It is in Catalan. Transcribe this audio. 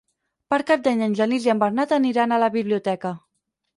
Per Cap d'Any en Genís i en Bernat aniran a la biblioteca.